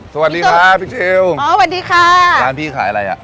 สวัสดีครับพี่เชลอ๋อสวัสดีค่ะร้านพี่ขายอะไรอ่ะ